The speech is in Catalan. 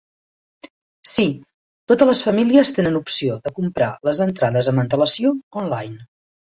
Sí, totes les famílies tenen opció de comprar les entrades amb antel·lacio online.